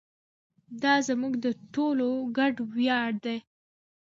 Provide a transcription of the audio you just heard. دا زموږ د ټولو ګډ ویاړ دی.